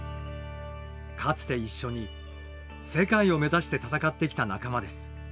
かつて一緒に世界を目指して闘ってきた仲間です。